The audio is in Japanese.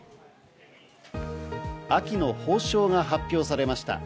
秋の褒章が発表されました。